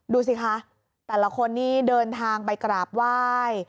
ดูสิคะแต่ละคนนี่เดินทางไปกราบไหว้